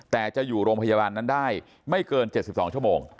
แต่จะอยู่โรงพยาบาลนั้นได้ไม่เกิน๗๒ชั่วโมง